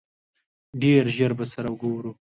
ډېر ژر به سره ګورو!